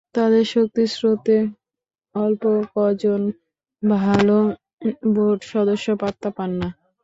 তাদের শক্তির স্রোতে অল্প কজন ভালো বোর্ড সদস্য পাত্তা পান না।